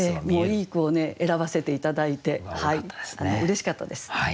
いい句を選ばせて頂いてうれしかったです。